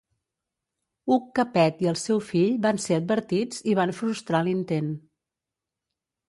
Hug Capet i el seu fill van ser advertits i van frustrar l'intent.